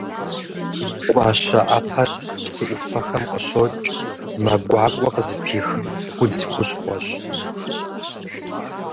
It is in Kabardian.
Гуащэӏэпэр псы ӏуфэхэм къыщокӏ, мэ гуакӏуэ къызыпих удз хущхъуэщ.